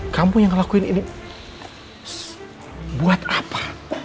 kampung yang ngelakuin ini buat apa